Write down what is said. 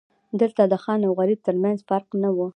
دلته د خان او غریب ترمنځ فرق نه و.